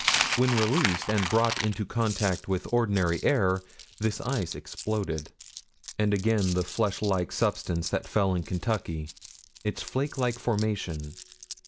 When released and brought into contact with ordinary air, this ice exploded. And again the flesh like substance that fell in Kentucky: its flake like formation.